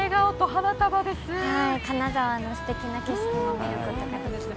金沢の素敵な景色も見ることができて。